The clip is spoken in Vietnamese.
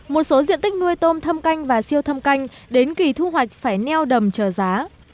một số diện tích nuôi tôm thâm canh và siêu thâm canh đến kỳ thu hoạch phải neo đầm chờ giá